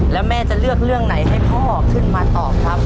แล้วแม่จะเลือกเรื่องไหนให้พ่อขึ้นมาตอบครับ